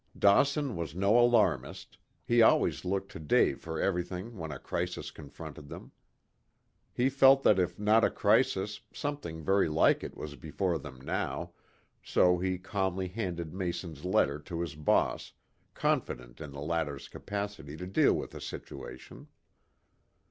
Dawson was no alarmist. He always looked to Dave for everything when a crisis confronted them. He felt that if not a crisis, something very like it was before them now, and so he calmly handed Mason's letter to his boss, confident in the latter's capacity to deal with the situation.